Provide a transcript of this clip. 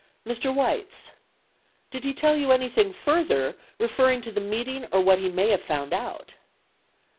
Mr. Weitz. Did he tell you anything further referring to the meeting or what he may have found out